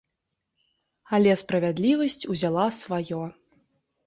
Але справядлівасць узяла сваё!